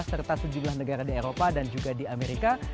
serta sejumlah negara di eropa dan juga di amerika